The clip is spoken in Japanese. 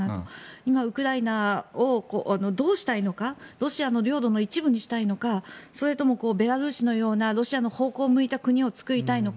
今、ウクライナをどうしたいのかロシアの領土の一部にしたいのかそれともベラルーシのようなロシアの方向を向いた国を作りたいのか。